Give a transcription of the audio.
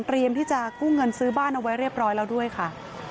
ที่จะกู้เงินซื้อบ้านเอาไว้เรียบร้อยแล้วด้วยค่ะ